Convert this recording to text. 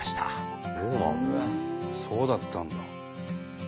そうだったんだ。